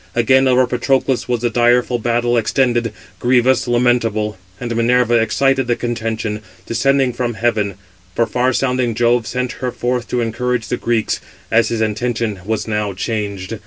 Again over Patroclus was the direful battle extended, grievous, lamentable; and Minerva excited the contention, descending from heaven; for far sounding Jove sent her forth to encourage the Greeks, as his intention was now changed.